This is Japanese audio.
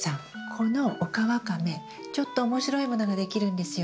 このオカワカメちょっと面白いものができるんですよ。